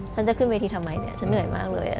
ฉันจะขึ้นเวทีทำไมเนี่ยฉันเหนื่อยมากเลย